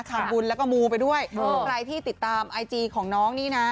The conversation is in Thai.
ทำบุญแล้วก็มูไปด้วยใครที่ติดตามไอจีของน้องนี่นะ